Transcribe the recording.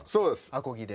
アコギで？